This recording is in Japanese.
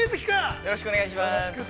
◆よろしくお願いします。